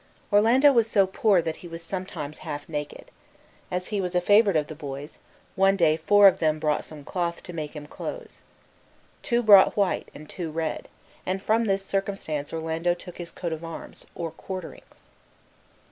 Orlando was so poor that he was sometimes half naked. As he was a favorite of the boys, one day four of them brought some cloth to make him clothes. Two brought white and two red; and from this circumstance Orlando took his coat of arms, or quarterings.